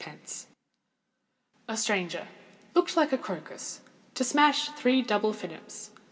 _ A Stranger—looked like a crocus. To smash three double finnips.